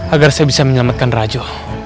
agar saya bisa menyelamatkan raja